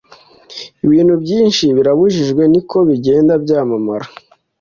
ibintu byinshi birabujijwe, niko bigenda byamamara